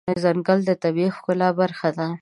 ځنګل د طبیعي ښکلا برخه ده.